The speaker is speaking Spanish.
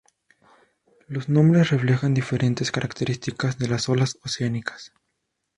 Los nombres reflejan diferentes características de las olas oceánicas.